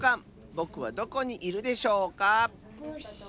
ぼくはどこにいるでしょうか？